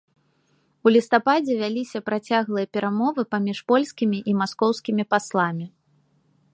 У лістападзе вяліся працяглыя перамовы паміж польскімі і маскоўскімі пасламі.